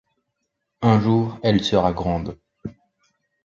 un jour elle sera grande